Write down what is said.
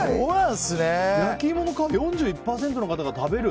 焼きいもの皮４１％の方が食べる！